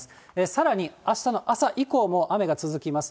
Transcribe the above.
さらにあしたの朝以降も雨が続きます。